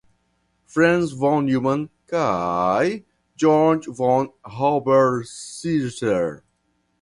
Franz von Neumann kaj Georg von Hauberrisser.